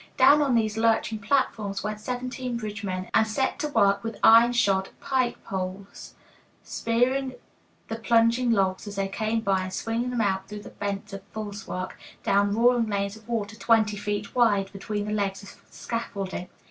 Down on these lurching platforms went seventeen bridge men, and set to work with iron shod pike poles, spearing the plunging logs as they came by and swinging them out through the bents of false work, down roaring lanes of water twenty feet wide between the legs of scaffolding.